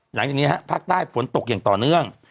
หลังจากนี้ฮะภาคใต้ฝนตกอย่างต่อเนื่อง